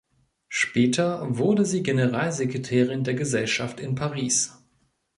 Später wurde sie Generalsekretärin der Gesellschaft in Paris.